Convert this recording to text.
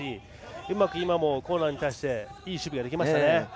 今も、うまくコーナーに対していい守備ができましたね。